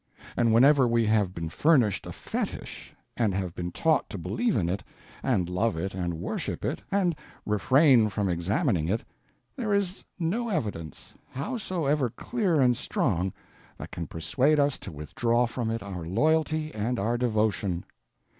And whenever we have been furnished a fetish, and have been taught to believe in it, and love it and worship it, and refrain from examining it, there is no evidence, howsoever clear and strong, that can persuade us to withdraw from it our loyalty and our devotion.